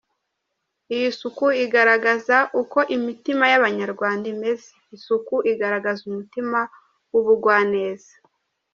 Iyi suku igaragaza uko imitima y’Abanyarwanda imeze, isuku igaragaza umutima w’ubugwaneza.